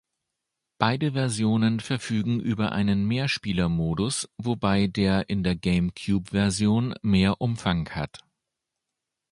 Beide Versionen verfügen über einen Mehrspielermodus, wobei der in der Gamecube-Version mehr Umfang hat.